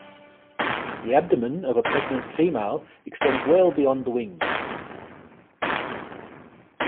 The abdomen of a pregnant female extends well beyond the wings.